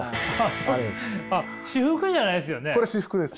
あっ私服じゃないですよね？